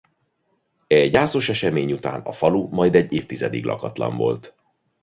E gyászos esemény után a falu majd egy évtizedig lakatlan volt.